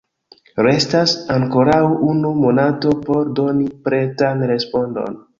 Restas ankoraŭ unu monato por doni pretan respondon.